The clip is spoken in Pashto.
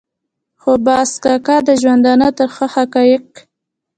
خو باز کاکا د ژوندانه ترخه حقایق.